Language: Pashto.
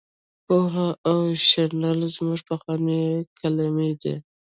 پوهه او شنل زموږ پخوانۍ کلمې دي.